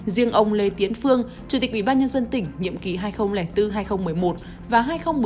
riêng ông lê tiến phương chủ tịch ủy ban nhân dân tỉnh nhiệm kỳ hai nghìn bốn hai nghìn một mươi một và hai nghìn một mươi một hai nghìn một mươi sáu